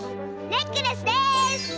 ネックレスです！